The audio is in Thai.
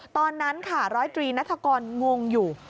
ตอนนั้นค่ะร้อยตรีนัฐกรงงอยู่